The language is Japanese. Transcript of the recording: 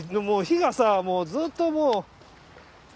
もう火がさもうずっともう。